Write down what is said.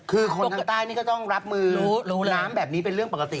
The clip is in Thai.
คือคนทางใต้นี่ก็ต้องรับมือน้ำแบบนี้เป็นเรื่องปกติ